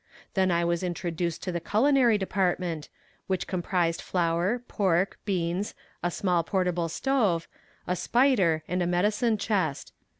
Then I was introduced to the culinary department, which comprised flour, pork, beans, a small portable stove, a spider, and a medicine chest.